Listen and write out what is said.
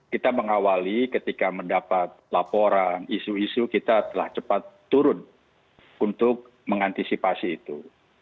kita mengawali ketika mendapat laporan isu isu kita telah cepat turun untuk mengantisipasi itu